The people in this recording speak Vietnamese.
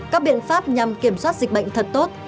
các biện pháp nhằm kiểm soát dịch bệnh thật tốt